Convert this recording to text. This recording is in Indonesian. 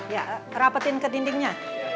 ya rapetin ke dindingnya